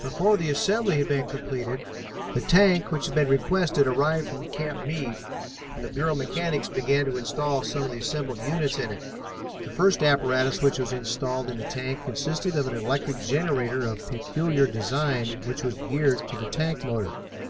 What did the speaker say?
Before the assembly had been completed the tank which had been requested arrived from Camp Meade, and the Bureau mechanics began to install some of the assembled units in it. The first apparatus which was installed in the tank consisted of an electric generator of peculiar design which was geared to the tank motor.